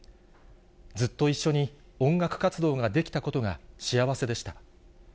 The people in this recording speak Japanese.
ずっと一緒に音楽活動ができたことが幸せでした。